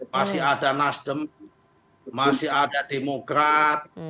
masih ada nasdem masih ada demokrat